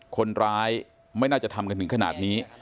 คนร้ายไม่น่าจะทำกันถึงขนาดนี้